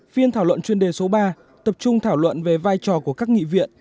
phiên thảo luận chuyên đề số ba tập trung thảo luận về vai trò của các nghị viện